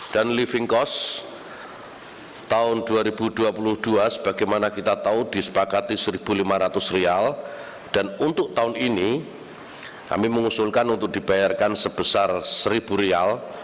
dan living cost tahun dua ribu dua puluh dua sebagaimana kita tahu disepakati rp satu lima ratus dan untuk tahun ini kami mengusulkan untuk dibayarkan sebesar rp satu